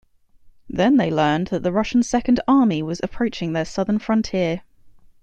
Then they learned that the Russian Second Army was approaching their southern frontier.